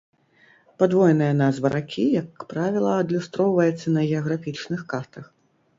Падвойная назва ракі, як правіла, адлюстроўваецца на геаграфічных картах.